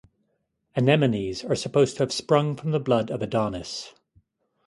Anemones are supposed to have sprung from the blood of Adonis.